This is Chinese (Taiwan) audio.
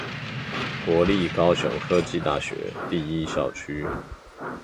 國立高雄科技大學第一校區